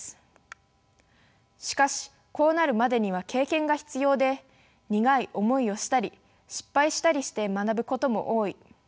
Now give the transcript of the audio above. しかしこうなるまでには経験が必要で苦い思いをしたり失敗したりして学ぶことも多い。